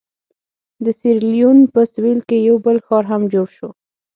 د سیریلیون په سوېل کې یو بل ښار هم جوړ شو.